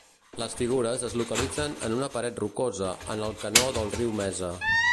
Les figures es localitzen en una paret rocosa en el canó del riu Mesa.